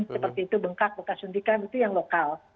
seperti itu bengkak bekas suntikan itu yang lokal